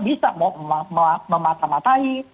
bisa mau memata matai